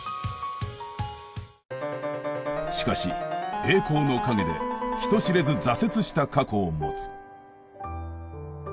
しかし栄光の陰で人知れず挫折した過去を持つ。